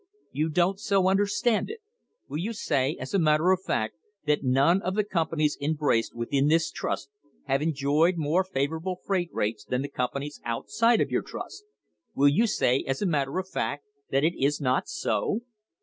You don't so understand it ? Will you say, as a matter of fact, that none of the companies embraced within this trust have enjoyed more favourable freight rates than the companies outside of your trust ? Will you say, as a matter of fact, that it is not so